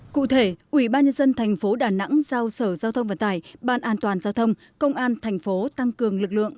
cụ thể ubnd tp đà nẵng giao sở giao thông vận tải ban an toàn giao thông công an thành phố tăng cường lực lượng